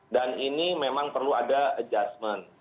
dan ini memang perlu ada adjustment